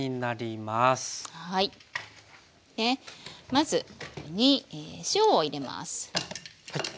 まずここに塩を入れます。